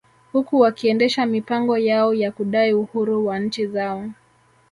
Huku wakiendesha mipango yao ya kudai uhuru wa nchi zao